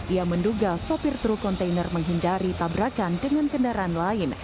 ia menduga sopir truk kontainer menghindari tabrakan dengan kendaraan lain